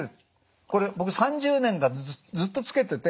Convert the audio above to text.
これ僕３０年間ずっとつけてて。